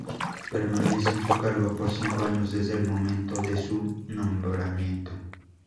Permanece en su cargo por cinco años desde el momento de su nombramiento.